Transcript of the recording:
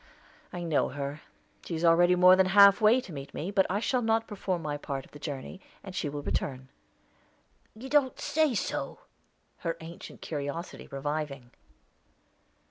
I know her. She is already more than half way to meet me; but I shall not perform my part of the journey, and she will return." "You don't say so!" her ancient curiosity reviving.